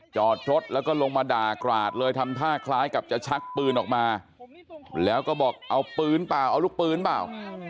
จอดรถแล้วก็ลงมาด่ากราดเลยทำท่าคล้ายกับจะชักปืนออกมาแล้วก็บอกเอาปืนเปล่าเอาลูกปืนเปล่า